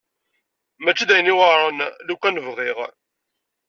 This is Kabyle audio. Mačči d ayen yuɛren lukan bɣiɣ.